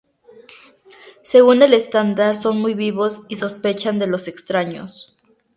Según el estándar son muy vivos y sospechan de los extraños.